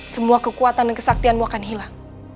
semua kekuatan dan kesaktianmu akan hilang